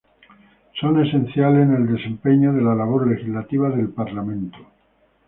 Son esenciales en el desempeño de la labor legislativa del Parlamento.